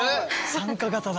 参加型だ。